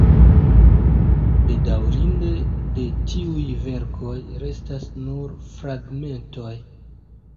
Bedaŭrinde, de tiuj verkoj restas nur fragmentoj.